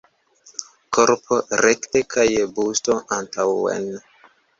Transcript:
Korpo rekte kaj busto antaŭen.